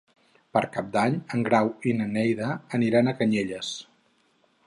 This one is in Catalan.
Per Cap d'Any en Grau i na Neida aniran a Canyelles.